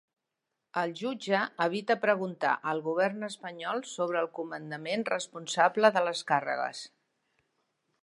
El jutge evita preguntar al govern espanyol sobre el comandament responsable de les càrregues